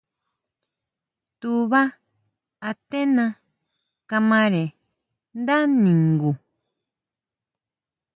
Tubá aténa kamare ndá ningu.